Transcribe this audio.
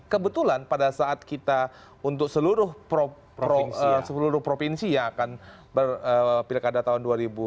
kebetulan pada saat kita untuk seluruh provinsi yang akan berpilkada tahun dua ribu dua puluh